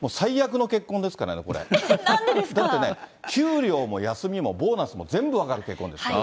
だってね、給料も休みもボーナスも全部分かる結婚ですから。